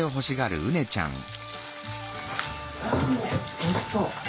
おいしそう！